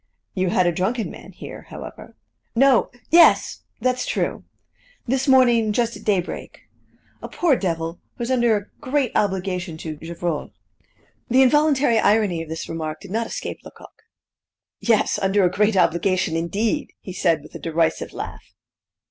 "You had a drunken man here, however." "No yes that's true this morning just at daybreak. A poor devil, who is under a great obligation to Gevrol." The involuntary irony of this remark did not escape Lecoq. "Yes, under a great obligation, indeed!" he said with a derisive laugh.